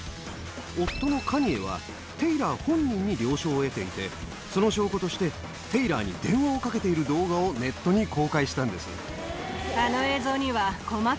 夫のカニエはテイラー本人に了承を得ていてその証拠としてテイラーに電話をかけている動画をネットに公開したんです。